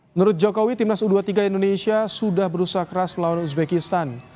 menurut jokowi timnas u dua puluh tiga indonesia sudah berusaha keras melawan uzbekistan